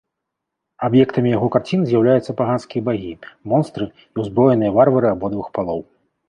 Аб'ектамі яго карцін з'яўляюцца паганскія багі, монстры і ўзброеныя варвары абодвух палоў.